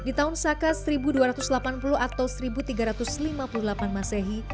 di tahun saka seribu dua ratus delapan puluh atau seribu tiga ratus lima puluh delapan masehi